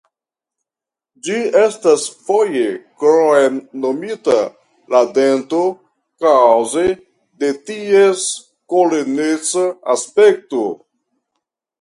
Ĝi estas foje kromnomita "la dento" kaŭze de ties koloneca aspekto.